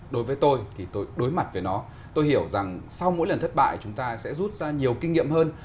đối với tôi thì tôi đối mặt với nó tôi hiểu rằng sau mỗi lần thất bại chúng ta sẽ rút ra nhiều kinh nghiệm hơn